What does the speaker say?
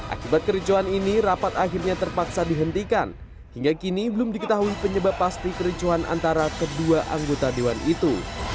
akibat kericuan ini rapat akhirnya terpaksa dihentikan hingga kini belum diketahui penyebab pasti kericuhan antara kedua anggota dewan itu